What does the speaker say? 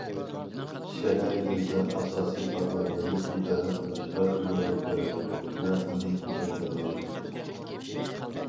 شەھەر- يېزا ئاساسىي قاتلاملىرىنى ئىدارە قىلىشتا يېڭىلىق ياراتتۇق ۋە ئۇنى مۇكەممەللەشتۈردۇق.